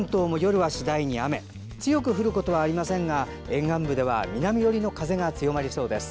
雨は強く降ることはありませんが沿岸部では南寄りの風が強まりそうです。